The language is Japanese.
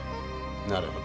なるほど。